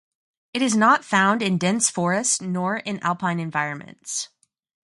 It is not found in dense forest nor in alpine environments.